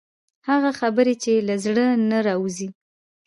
هغه خبرې چې له زړه څخه راوځي.